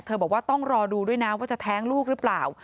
บอกว่าต้องรอดูด้วยนะว่าจะแท้งลูกหรือเปล่า